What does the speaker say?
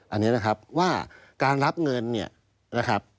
อันนี้นะครับว่าการรับเงินเนี่ยนะครับ